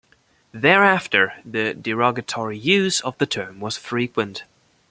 Thereafter, the derogatory use of the term was frequent.